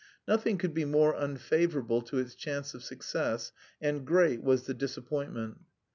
Nothing could be more unfavourable to its chance of success, and great was the disappointment.